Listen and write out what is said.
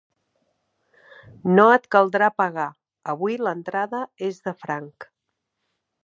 No et caldrà pagar: avui l'entrada és de franc.